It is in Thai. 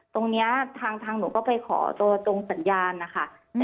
ตรงนี้ทางหนูก็ไปขอตัวตรงสัญญาณนะคะ